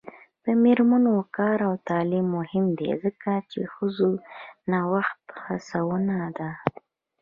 د میرمنو کار او تعلیم مهم دی ځکه چې ښځو نوښت هڅونه ده.